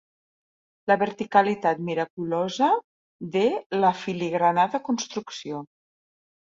La verticalitat miraculosa de l'afili-granada construcció.